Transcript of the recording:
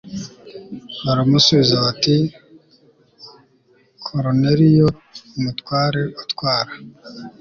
baramusubiza bati koruneliyo umutware utwara